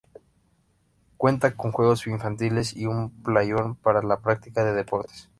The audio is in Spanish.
Cuenta con juegos infantiles y un playón para la práctica de deportes.